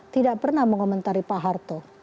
tidak pernah mengomentari pak harto